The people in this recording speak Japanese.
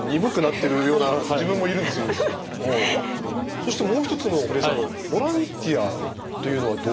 そしてもう一つの堀江さんあのボランティアというのはどういうことですか？